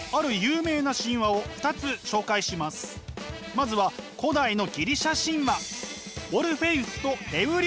まずは古代のギリシャ神話。